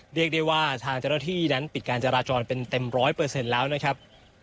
เรียกได้ว่าทางเจ้าหน้าที่นั้นปิดการจราจรเป็นเต็มร้อยเปอร์เซ็นต์แล้วนะครับ